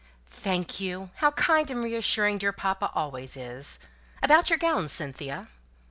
"Thank you. How kind and reassuring dear papa always is! About your gowns, Cynthia?"